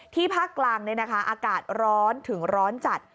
ภาคกลางอากาศร้อนถึงร้อนจัด